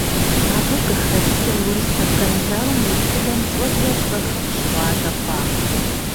Абы къыхэкӀкӀэ Урыс-Кавказ зауэм и тхыдэм щӀэблэр щӀэх щыгъуазэ хъуакъым.